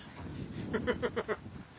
フフフフフ。